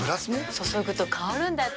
注ぐと香るんだって。